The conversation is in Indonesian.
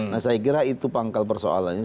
nah saya kira itu pangkal persoalannya